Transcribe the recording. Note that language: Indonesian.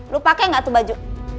lo pake gak tuh baju